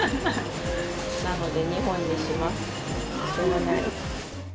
なので２本にします、しょうがない。